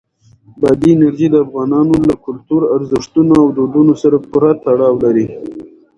بادي انرژي د افغانانو له کلتوري ارزښتونو او دودونو سره پوره تړاو لري.